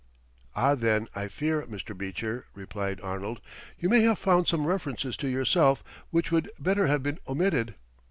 "Ah, then, I fear, Mr. Beecher," replied Arnold, "you may have found some references to yourself which would better have been omitted."